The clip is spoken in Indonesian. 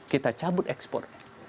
kita cabut ekspor